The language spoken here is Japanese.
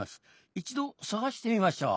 一度探してみましょう。